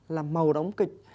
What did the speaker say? làm màu đóng kịch